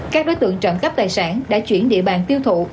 các đối tượng trộm cắp tài sản đã chuyển địa bàn tiêu thụ